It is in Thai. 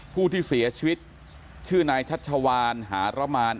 ผู้ที่เสียชีวิตชื่อนายชัชวานหารมาน